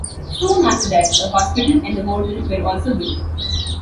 Soon after that, a hospital and a hotel were also built.